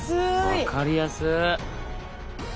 分かりやすっ！